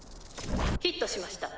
ヒットしました。